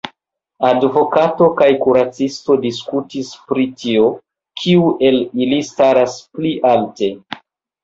Advokato kaj kuracisto disputis pri tio, kiu el ili staras pli alte.